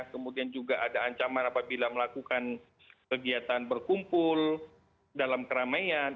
kemudian juga ada ancaman apabila melakukan kegiatan berkumpul dalam keramaian